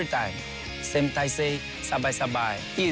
อีกถึงทำเวลาว่าสะบายดี